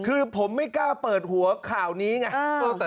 คือผมไม่กล้าเปิดหัวข่าวนี้ไง